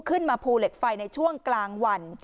ภูเหล็กไฟในช่วงกลางวัน